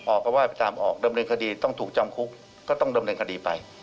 ออกก็ว่าไปตามออกดำเนินคดีต้องถูกจำคุกก็ต้องดำเนินคดีไป